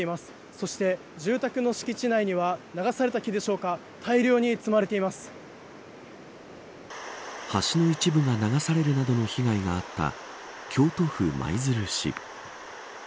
そして住宅の敷地内には流された木でしょうか橋の一部が流されるなどの被害があった京都府舞鶴市。